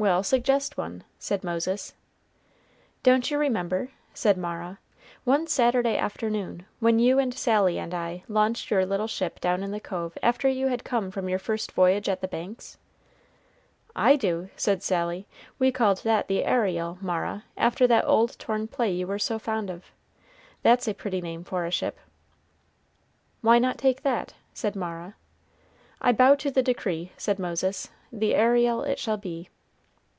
"Well, suggest one," said Moses. "Don't you remember," said Mara, "one Saturday afternoon, when you and Sally and I launched your little ship down in the cove after you had come from your first voyage at the Banks?" "I do," said Sally. "We called that the Ariel, Mara, after that old torn play you were so fond of. That's a pretty name for a ship." "Why not take that?" said Mara. "I bow to the decree," said Moses. "The Ariel it shall be."